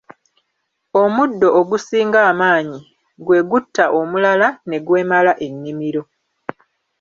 Omuddo ogusinga amaanyi gwe gutta omulala, ne gwemala ennimiro.